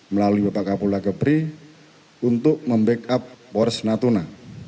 melalui bapak kapolri gebri untuk membackup kapolres natuna